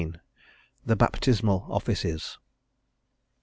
THE BAPTISMAL OFFICES.